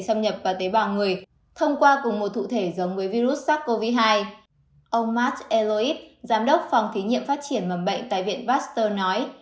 ông matt eloyp giám đốc phòng thí nghiệm phát triển mầm bệnh tại viện pasteur nói